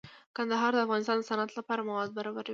کندهار د افغانستان د صنعت لپاره مواد برابروي.